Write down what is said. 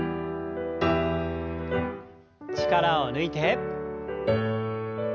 力を抜いて。